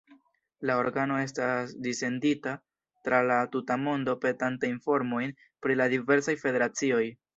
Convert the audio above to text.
La organo estas dissendita tra la tuta mondo petante informojn pri la diversaj federacioj.